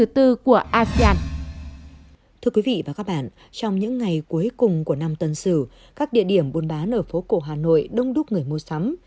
trong những ngày cuối cùng của năm tân sử các địa điểm buôn bán ở phố cổ hà nội đông đúc người mua sắm